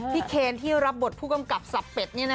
พี่เคนที่รับบทผู้กำกับสับเป็ดนี้นะคะ